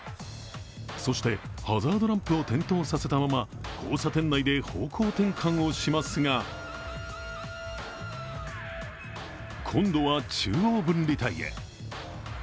そしてハザードランプを点灯させたまま交差点内で方向転換をしますが今度は中央分離帯へ。